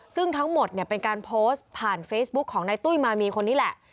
ซึ่งทั้งหมดเนี่ยเป็นการโพสต์ผ่านเฟซบุ๊กของนายตุ้ยมามีคนนี้แหละ